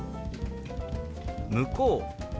「向こう」。